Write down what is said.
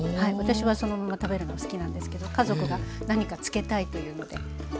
私はそのまま食べるの好きなんですけど家族が何かつけたいというのではい。